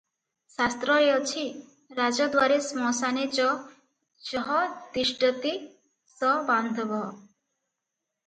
ଶାସ୍ତ୍ରରେ ଅଛି,"ରାଜଦ୍ୱାରେ ଶ୍ମଶାନେ ଚ ଯଃ ତିଷ୍ଠତି ସ ବାନ୍ଧବଃ ।